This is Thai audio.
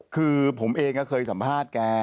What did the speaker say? คือผมเองก็เคยสัมภาษณ์แก